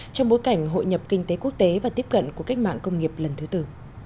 trong bối cảnh hội nhập kinh tế quốc tế và tiếp cận của cách mạng công nghiệp lần thứ tư